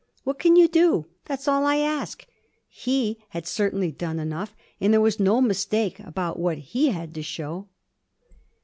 'What can you do? That's all I ask!' He had certainly done enough, and there was no mistake about what he had to show.